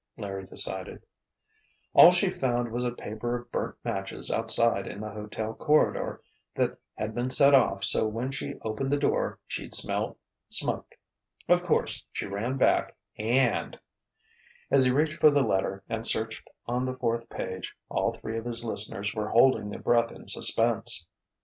Larry decided. "All she found was a paper of burnt matches outside in the hotel corridor that had been set off so when she opened the door she'd smell smoke. Of course she ran back—and——" As he reached for the letter, and searched on the fourth page, all three of his listeners were holding their breath in suspense.